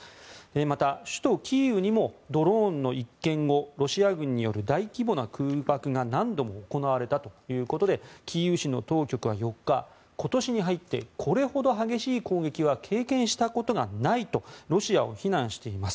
また、首都キーウにもドローンの一件後ロシア軍による大規模な空爆が何度も行われたということでキーウ市の当局は４日今年に入ってこれほど激しい攻撃は経験したことがないとロシアを非難しています。